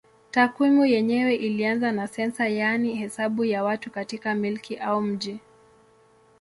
Takwimu yenyewe ilianza na sensa yaani hesabu ya watu katika milki au mji.